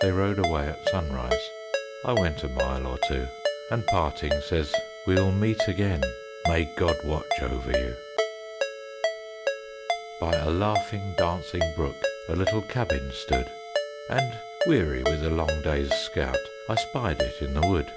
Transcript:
They rode away at sunrise, I went a mile or two, And parting says, "We will meet again; May God watch over you." By a laughing, dancing brook A little cabin stood, And weary with a long day's scout, I spied it in the wood.